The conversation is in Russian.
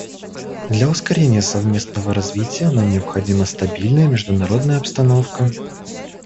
Для ускорения совместного развития нам необходима стабильная международная обстановка.